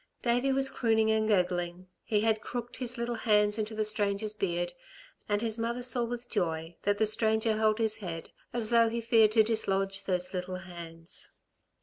Davey was crooning and gurgling. He had crooked his little hands into the stranger's beard, and his mother saw with joy that the stranger held his head as though he feared to dislodge those little hands.